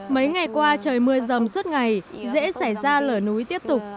mấy ngày qua trời mưa rầm suốt ngày dễ xảy ra lở núi tiếp tục